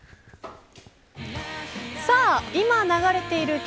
さあ今流れている曲